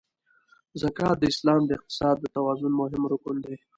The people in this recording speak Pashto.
زکات د اسلام د اقتصاد د توازن مهم رکن دی.